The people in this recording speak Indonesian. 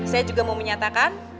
saya juga mau menyatakan